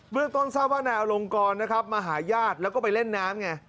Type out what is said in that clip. เมื่อต้นทราบว่านายอลงกรมาหายาทแล้วก็ไปเล่นน้ำ